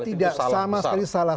tidak sama sekali salah